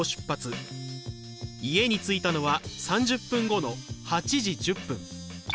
家に着いたのは３０分後の８時１０分。